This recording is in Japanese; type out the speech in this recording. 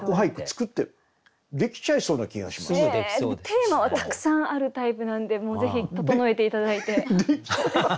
テーマはたくさんあるタイプなんでもうぜひ整えて頂いて。